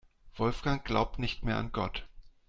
Wolfgang glaubt nicht mehr an Gott.